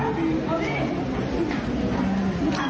สวัสดีครับคุณผู้ชาย